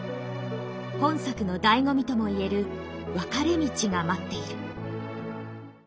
本作のだいご味とも言える分かれ道が待っている。